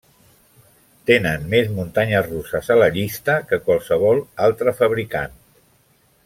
Tenen més muntanyes russes a la llista que qualsevol altre fabricant.